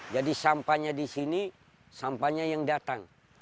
jadi sampahnya di sini sampahnya yang datang